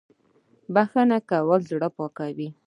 بخښنه کول زړه پاکوي